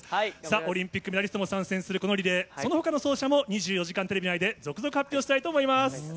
オリンピックメダリストも参戦するこのリレー、そのほかの走者も２４時間テレビ内で、続々発表したいと思います。